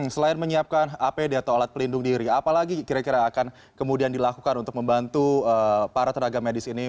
selain menyiapkan apd atau alat pelindung diri apalagi kira kira akan kemudian dilakukan untuk membantu para tenaga medis ini